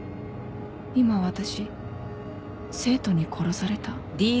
今私生徒に殺された？